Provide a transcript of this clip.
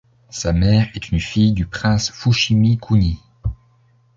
Sa mère est une fille du prince Fushimi Kuniie.